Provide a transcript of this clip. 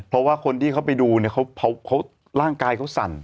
เพราะว่าคนที่เขาไปดูล่างกายเขาสั่น